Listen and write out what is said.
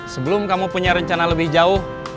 sebelum kamu punya rencana lebih jauh